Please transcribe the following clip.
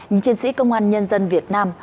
những chiến sĩ công an nhân dân việt nam